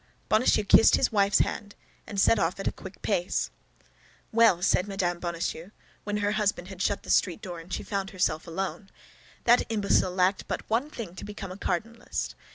Bonacieux kissed his wife's hand, and set off at a quick pace. "Well," said Mme. Bonacieux, when her husband had shut the street door and she found herself alone; "that imbecile lacked but one thing: to become a cardinalist.